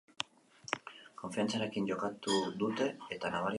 Konfiantzarekin jokatu dute eta nabaria izan da.